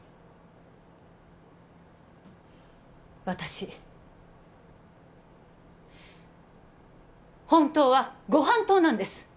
私本当はご飯党なんです！